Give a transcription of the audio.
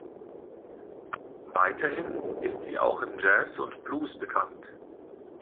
Weiterhin ist sie auch im Jazz und Blues bekannt.